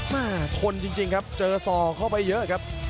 ทนจริงครับเจอศอกเข้าไปเยอะครับ